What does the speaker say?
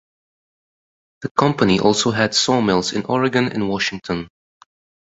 The company also had saw mills in Oregon and Washington.